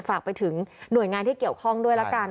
ฝากไปถึงหน่วยงานที่เกี่ยวข้องด้วยละกัน